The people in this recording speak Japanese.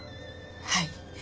はい。